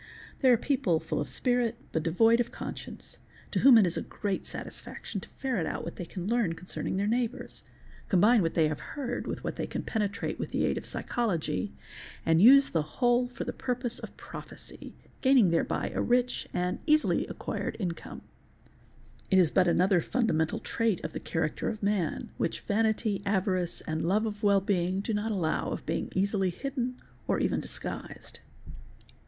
'There are people full of spirit but devoid of conscience to whom it is a great satisfaction to ferret out what they can learn con cerning their neighbours, combine what they have heard with what they can penetrate with the aid of psychology, and use the whole for the pur poses of prophecy, gaining thereby a rich and easily acquired income; it is but another fundamental trait of the character of man, which vanity, avarice, and love of well being do not allow of being easily hidden or even disguised.